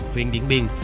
huyện điện biên